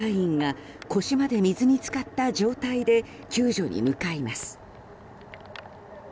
消防隊員が腰まで水に浸かった状態で救助に向かいます。